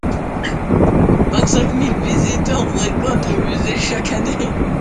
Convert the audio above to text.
Vingt-cinq mille visiteurs fréquentent le musée chaque année.